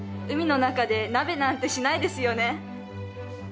海の中で鍋なんてしないですよね。